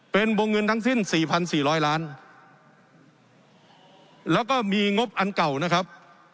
เป็นบวงเงินทั้งสิ้นสี่พันสี่ร้อยล้านแล้วก็มีงบอันเก่านะครับ